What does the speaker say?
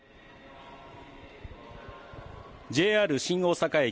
ＪＲ新大阪駅。